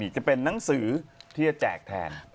จะเป็นนังสือที่จะแจกแทน